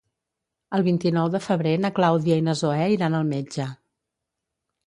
El vint-i-nou de febrer na Clàudia i na Zoè iran al metge.